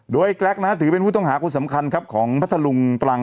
โดยแกรกนะถือเป็นผู้ต้องหาคนสำคัญครับของพัทธลุงตรัง